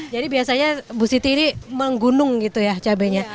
jadi biasanya ibu siti ini menggunung cabainya